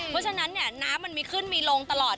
เพราะฉะนั้นเนี่ยน้ำมันมีขึ้นมีลงตลอด